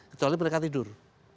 kecuali mereka tidur